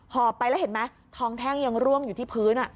หอบไปแล้วเห็นไหมทองแท่งยังร่วงอยู่ที่พื้น